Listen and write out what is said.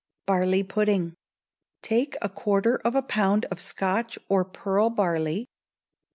Barley Pudding. Take a quarter of a pound of Scotch or pearl barley.